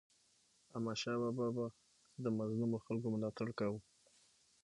احمدشاه بابا به د مظلومو خلکو ملاتړ کاوه.